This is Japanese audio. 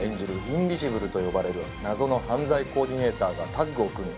インビジブルと呼ばれる謎の犯罪コーディネーターがタッグを組み